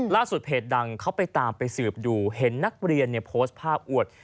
เพจดังเขาไปตามไปสืบดูเห็นนักเรียนโพสต์ภาพอวด